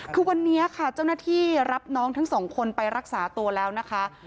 คือวันนี้ค่ะเจ้าหน้าที่รับน้องทั้งสองคนไปรักษาตัวแล้วนะคะ